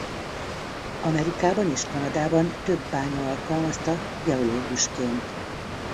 Amerikában és Kanadában több bánya alkalmazta geológusként.